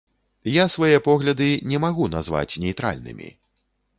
Я свае погляды не магу назваць нейтральнымі.